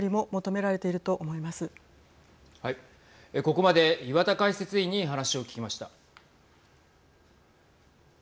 ここまで岩田解説委員に話を聞きました。